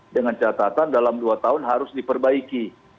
dengan catatan dalam dua tahun harus diperbaiki